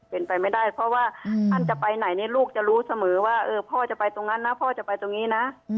เป็นไปไม่ได้เพราะว่าท่านจะไปไหนเนี่ยลูกจะรู้เสมอว่าพ่อจะไปตรงนั้นนะพ่อจะไปตรงนี้นะ